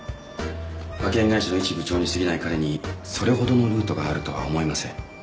派遣会社の一部長に過ぎない彼にそれほどのルートがあるとは思えません。